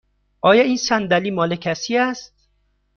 آیا این صندلی مال کسی است؟